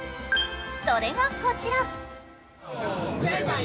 それがこちら。